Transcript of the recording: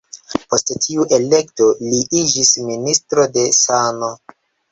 Post tiu elekto, li iĝis Ministro de sano.